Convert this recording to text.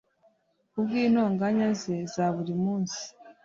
Kubwintonganya ze zaburi munsi